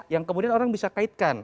yang kemudian orang bisa kaitkan